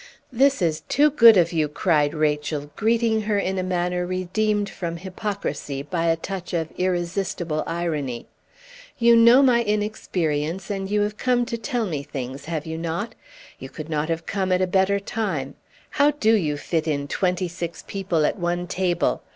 "This is too good of you!" cried Rachel, greeting her in a manner redeemed from hypocrisy by a touch of irresistible irony. "You know my inexperience, and you have come to tell me things, have you not? You could not have come at a better time. How do you fit in twenty six people at one table?